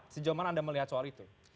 sejauh mana anda melihat soal itu